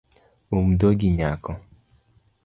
Um dhogi nyako